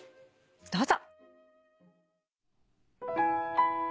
どうぞ。